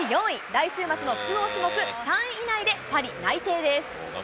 来週末の複合種目３位以内でパリ内定です。